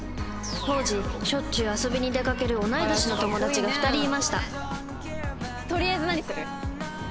当時しょっちゅう遊びに出かける同い年の友達が２人いました